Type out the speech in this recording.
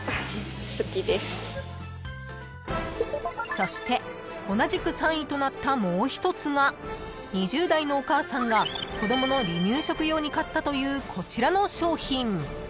［そして同じく３位となったもう一つが２０代のお母さんが子供の離乳食用に買ったというこちらの商品］